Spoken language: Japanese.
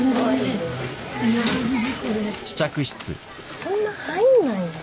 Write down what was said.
そんな入んないよ。